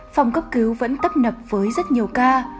phòng cấp cứu vẫn tấp nập với rất nhiều ca